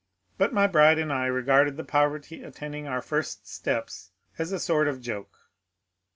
^ But my bride and I regarded the poverty attending our first steps as a sort of joke.